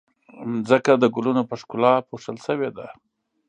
ځمکه د ګلونو په ښکلا پوښل شوې ده.